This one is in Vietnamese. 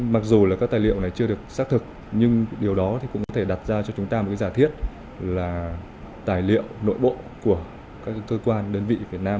mặc dù là các tài liệu này chưa được xác thực nhưng điều đó thì cũng có thể đặt ra cho chúng ta một cái giả thiết là tài liệu nội bộ của các cơ quan đơn vị việt nam